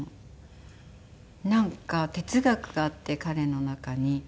なんか哲学があって彼の中に。